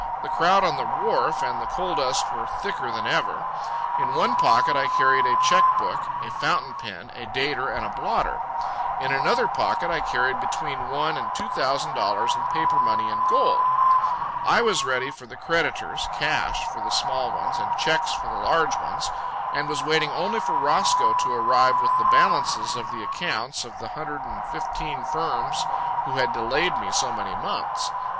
The crowd on the wharf and the coal dust were thicker than ever. In one pocket I carried a cheque book, a fountain pen, a dater, and a blotter; in another pocket I carried between one and two thousand dollars in paper money and gold. I was ready for the creditors, cash for the small ones and cheques for the large ones, and was waiting only for Roscoe to arrive with the balances of the accounts of the hundred and fifteen firms who had delayed me so many months.